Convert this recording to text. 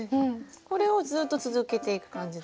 これをずっと続けていく感じで？